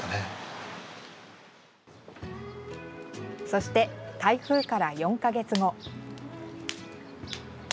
そして、台風から４か月後。